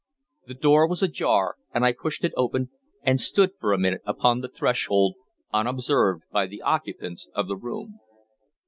The door was ajar, and I pushed it open and stood for a minute upon the threshold, unobserved by the occupants of the room.